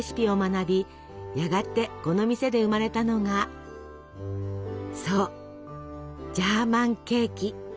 やがてこの店で生まれたのがそうジャーマンケーキ。